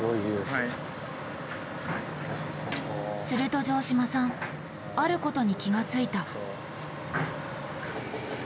すると城島さんあることに気がついた。